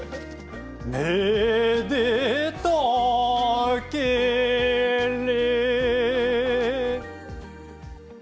めでたけれ。